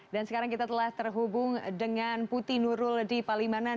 dan sekarang kita telah terhubung dengan putih nurul di palimanan